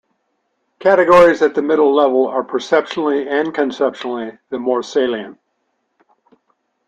Categories at the middle level are perceptually and conceptually the more salient.